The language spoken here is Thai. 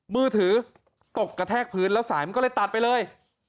มือถือตกกระแทกพื้นแล้วสายมันก็เลยตัดไปเลย